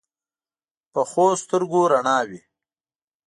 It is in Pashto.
پخو سترګو رڼا وي